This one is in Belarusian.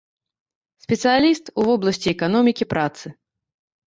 Спецыяліст у вобласці эканомікі працы.